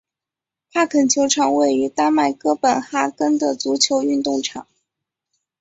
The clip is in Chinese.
帕肯球场位于丹麦哥本哈根的足球运动场。